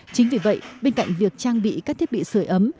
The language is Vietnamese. chính vì vậy bên cạnh việc trang bị các thiết bị sửa ấm